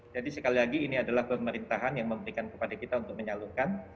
jadi sekali lagi ini adalah pemerintahan yang memberikan kepada kita untuk menyalurkan